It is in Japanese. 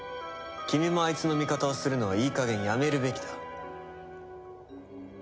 君もあいつの味方をするのはいいかげんやめるべきだ。